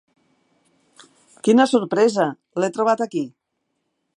Quina sorpresa, l'he trobat aquí.